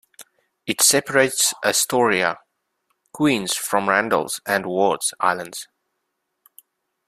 It separates Astoria, Queens from Randall's and Wards Islands.